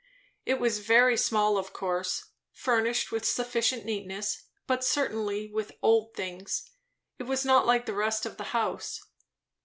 It was very small, of course; furnished with sufficient neatness, but certainly with old things. It was not like the rest of the house.